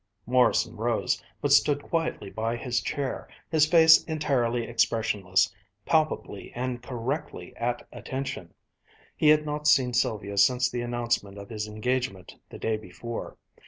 Morrison rose, but stood quietly by his chair, his face entirely expressionless, palpably and correctly "at attention." He had not seen Sylvia since the announcement of his engagement the day before.